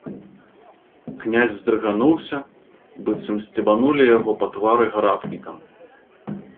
Князь здрыгануўся, быццам сцебанулі яго па твары гарапнікам.